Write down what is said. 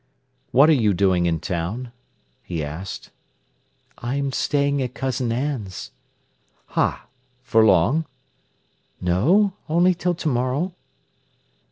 "What are you doing in town?" he asked. "I'm staying at Cousin Anne's." "Ha! For long?" "No; only till to morrow."